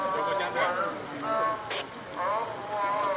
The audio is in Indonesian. kami menganggurkan surat